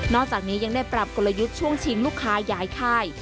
จากนี้ยังได้ปรับกลยุทธ์ช่วงชิงลูกค้าย้ายค่าย